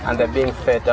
nó đến với chúng ta